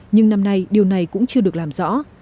nhưng năm nay điều này cũng chưa được làm rõ